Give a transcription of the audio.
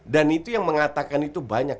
dan itu yang mengatakan itu banyak